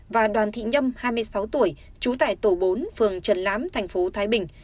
và đoàn thị nhâm hai mươi sáu tuổi chú tải tổ bốn phường trần lám thành phố thái bình